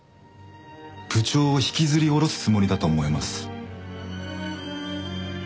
部長を引きずり下ろすつもりだと思います。